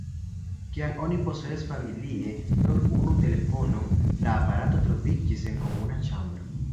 Kiam oni posedis familie nur unu telefonon, la aparato troviĝis en komuna ĉambro.